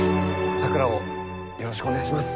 咲良をよろしくお願いします。